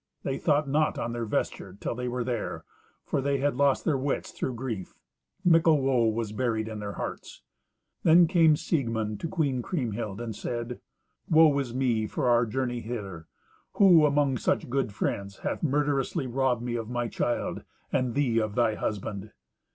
They thought not on their vesture till they were there, for they had lost their wits through grief. Mickle woe was buried in their hearts. Then came Siegmund to Queen Kriemhild, and said, "Woe is me for our journey hither! Who, among such good friends, hath murderously robbed me of my child, and thee of thy husband?"